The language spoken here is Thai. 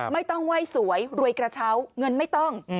ไม่ต้องไหว้สวยรวยกระเช้าเงินไม่ต้อง